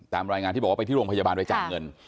ตามรายงานที่บอกว่าไปที่โรงพยาบาลไปจ่ายเงิน